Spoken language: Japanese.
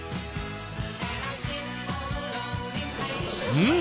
うん！